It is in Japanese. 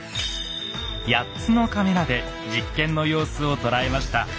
８つのカメラで実験の様子を捉えました。